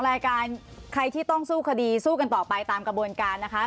รายการใครที่ต้องสู้คดีสู้กันต่อไปตามกระบวนการนะคะ